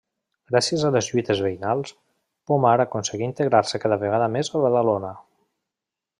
Gràcies a les lluites veïnals, Pomar aconseguí integrar-se cada vegada més a Badalona.